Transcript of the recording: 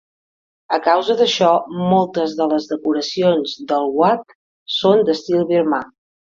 A causa d'això, moltes de les decoracions del wat són d'estil birmà.